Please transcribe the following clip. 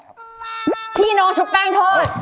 พี่น้องชุบแป้งทอด